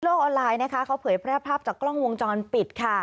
ออนไลน์นะคะเขาเผยแพร่ภาพจากกล้องวงจรปิดค่ะ